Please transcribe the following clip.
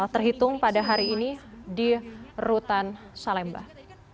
terhitung pada hari ini di rutan salembah